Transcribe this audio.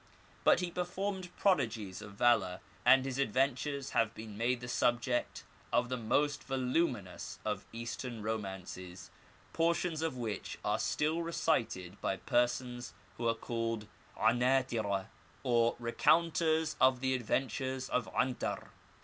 But he performed prodigies of valour, and his adventures have been made the subject of the most voluminous of Eastern romances, portions of which are still recited by persons who are called 'Anatireh, or Recounters of the Adventures of 'Antar.